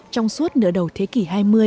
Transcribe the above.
trong suốt nửa đầu thế kỷ hai mươi